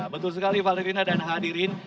betul sekali valerina dan hadirin